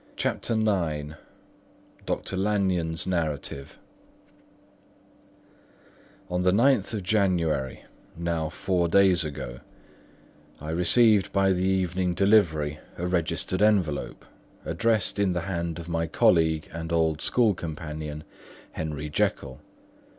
DR. LANYON'S NARRATIVE On the ninth of January, now four days ago, I received by the evening delivery a registered envelope, addressed in the hand of my colleague and old school companion, Henry Jekyll.